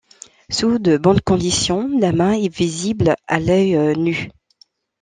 Sous de bonnes conditions l'amas est visible à l'œil nu.